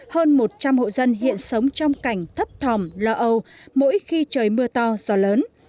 hơn một trăm linh hộ dân hiện sống trong cảnh thấp thòm lo âu mỗi khi trời mưa to gió lớn